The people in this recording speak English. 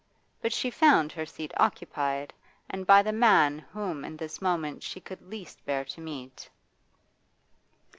But she found her seat occupied, and by the man whom in this moment she could least bear to meet.